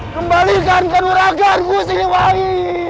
kembalikan kemerdekaanku siliwangi